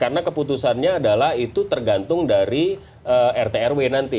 karena keputusannya adalah itu tergantung dari rt rw nanti